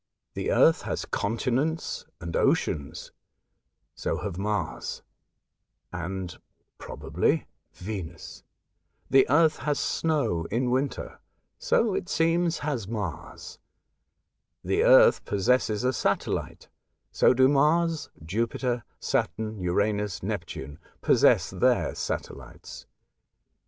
The earth has continents and oceans, — so have Mars and (probably) Yenus. The Earth has snow in winter, — so it seems has Mars. The Earth possesses a satellite, — so do Mars, Jupiter, Saturn, Uranus, Neptune possess their satel lites.